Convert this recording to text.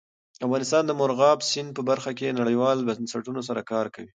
افغانستان د مورغاب سیند په برخه کې نړیوالو بنسټونو سره کار کوي.